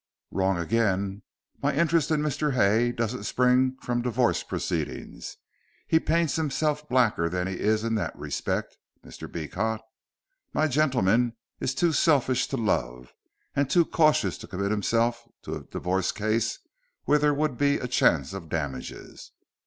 "Wrong again. My interest in Mr. Hay doesn't spring from divorce proceedings. He paints himself blacker than he is in that respect, Mr. Beecot. My gentleman is too selfish to love, and too cautious to commit himself to a divorce case where there would be a chance of damages.